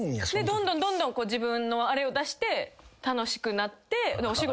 どんどんどんどん自分のあれを出して楽しくなってお仕事も。